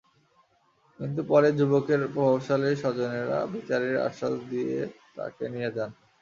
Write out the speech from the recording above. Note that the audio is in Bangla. কিন্তু পরে যুবকের প্রভাবশালী স্বজনেরা বিচারের আশ্বাস দিয়ে তাঁকে নিয়ে যান।